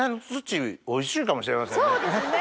そうですね。